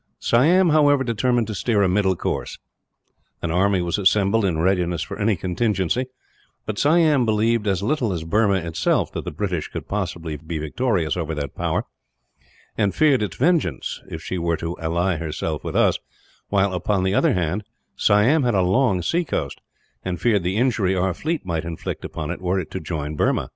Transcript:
Siam, however, determined to steer a middle course. An army was assembled, in readiness for any contingency; but Siam believed as little as Burma, itself, that the British could possibly be victorious over that power; and feared its vengeance, if she were to ally herself with us while, upon the other hand, Siam had a long sea coast, and feared the injury our fleet might inflict upon it, were it to join Burma.